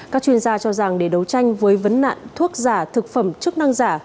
các chuyên gia cho rằng để đấu tranh với vấn nạn thuốc giả thực phẩm chức năng giả